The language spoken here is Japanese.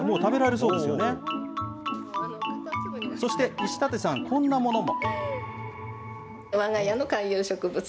そして、石館さん、こんなものも。